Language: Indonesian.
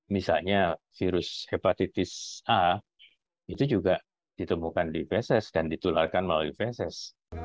misalnya virus hepatitis a itu juga ditemukan di fesis dan ditularkan melalui fesis